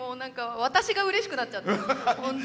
私がうれしくなっちゃった。